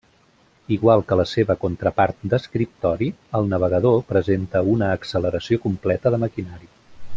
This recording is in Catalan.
Igual que la seva contrapart d'escriptori, el navegador presenta una acceleració completa de maquinari.